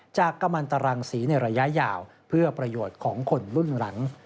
กะมันตรังสีในระยะยาวเพื่อประโยชน์ของคนรุ่นหลัง